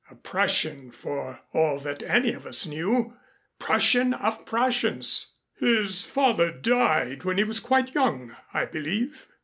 A Prussian for all that any of us knew Prussian of Prussians." "His father died when he was quite young, I believe?"